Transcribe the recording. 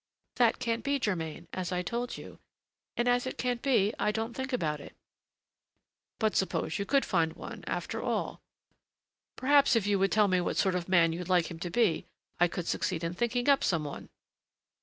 "That can't be, Germain, as I told you; and as it can't be, I don't think about it." "But suppose you could find one, after all? Perhaps, if you would tell me what sort of a man you'd like him to be, I could succeed in thinking up some one."